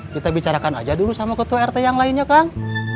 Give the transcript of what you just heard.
kita bicarakan aja dulu sama ketua rt yang lainnya kang